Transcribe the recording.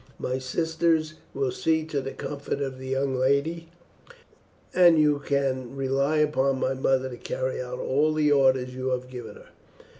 My sisters will see to the comfort of the young lady, and you can rely upon my mother to carry out all the orders you have given her.